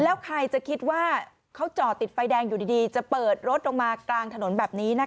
แล้วใครจะคิดว่าเขาจอดติดไฟแดงอยู่ดีจะเปิดรถลงมากลางถนนแบบนี้นะคะ